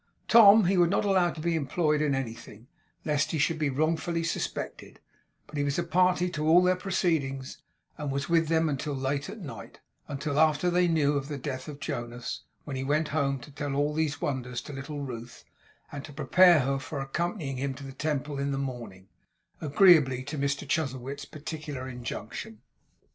Tom he would not allow to be employed in anything, lest he should be wrongfully suspected; but he was a party to all their proceedings, and was with them until late at night until after they knew of the death of Jonas; when he went home to tell all these wonders to little Ruth, and to prepare her for accompanying him to the Temple in the morning, agreeably to Mr Chuzzlewit's particular injunction.